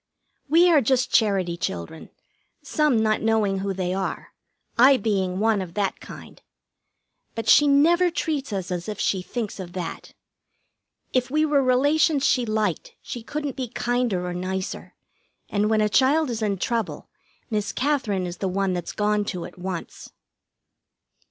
We are just Charity children, some not knowing who they are, I being one of that kind; but she never treats us as if she thinks of that. If we were relations she liked, she couldn't be kinder or nicer, and when a child is in trouble Miss Katherine is the one that's gone to at once.